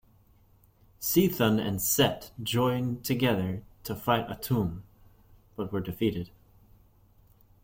Chthon and Set joined together to fight Atum, but were defeated.